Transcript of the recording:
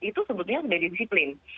itu sebetulnya sudah didisiplin